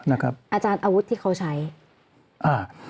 อาจารย์อาวุธที่เขาใช้อ่า